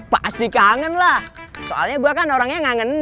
pasti kangen lah soalnya gua kan orang yang ngangenin